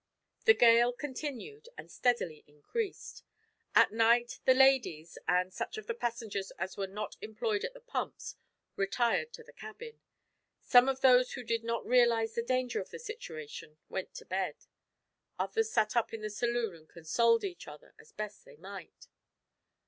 The gale continued and steadily increased. At night the ladies, and such of the passengers as were not employed at the pumps, retired to the cabin. Some of those who did not realise the danger of the situation went to bed. Others sat up in the saloon and consoled each other as best they might.